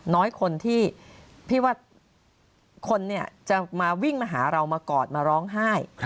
น้อยคนที่พี่ว่าคนเนี่ยจะมาวิ่งมาหาเรามากอดมาร้องไห้